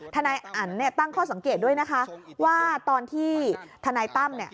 ทนายอันตั้งข้อสังเกตด้วยว่าตอนที่ทนายตั้ม